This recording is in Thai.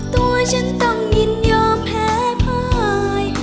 ตัวฉันต้องยินยอมแพ้พาย